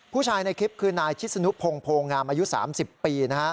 ผู้ชายในคลิปคือนายชิสนุภงพงงามอายุ๓๐ปี